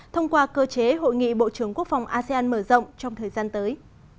thông qua cơ chế hội nghị bộ trưởng quốc phòng asean mở rộng trong thời gian tới